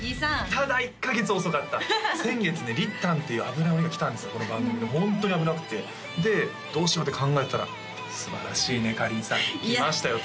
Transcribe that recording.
ただ１カ月遅かった先月ねりったんっていう危ない鬼が来たんですこの番組にホントに危なくてでどうしようって考えてたらすばらしいねかりんさん来ましたよ